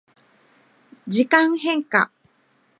時間変化